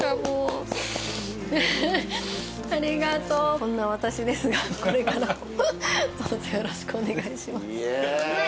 こんな私ですがこれからもどうぞよろしくお願いします。